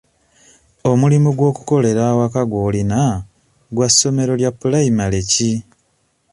Omulimu gw'okukolera awaka gw'olina gwa ssomero lya pulayimale ki?